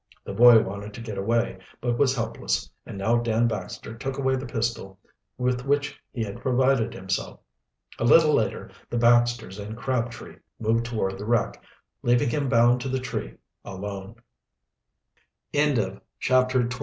The boy wanted to get away, but was helpless, and now Dan Baxter took away the pistol with which he had provided himself. A little later the Baxters and Crabtree moved toward the wreck, leaving him bound to the tree, alone. CHAPTER XXVII.